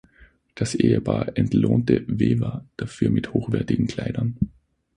Das Ehepaar entlohnte We’wha dafür mit hochwertigen Kleidern.